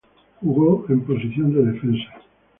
Jugó de posición de defensa.